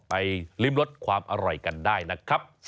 ลิ้มรสความอร่อยกันได้นะครับ